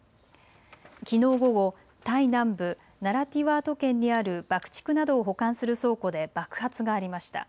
きのう午後、タイ南部ナラティワート県にある爆竹などを保管する倉庫で爆発がありました。